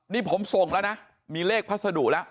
นี่ผมส่งแล้วนะมีเลขพัสดุแล้ว